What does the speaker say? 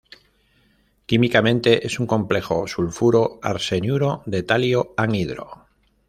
Químicamente es un complejo sulfuro-arseniuro de talio, anhidro.